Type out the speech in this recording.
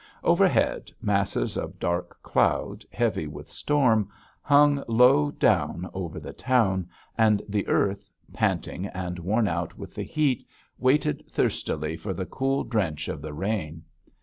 Overhead, masses of black cloud, heavy with storm, hung low down over the town, and the earth, panting and worn out with the heat, waited thirstily for the cool drench of the rain.